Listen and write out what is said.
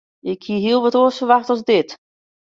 Ik hie hiel wat oars ferwachte as dit.